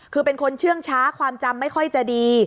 คือเป็นคนเชื่องช้าความจำไม่ค่อยจะดี